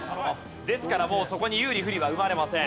ですからもうそこに有利不利は生まれません。